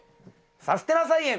「さすてな菜園」。